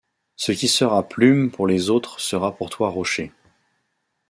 Ce qui sera plume pour les autres sera pour toi rocher.